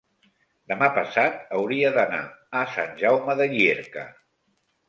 demà passat hauria d'anar a Sant Jaume de Llierca.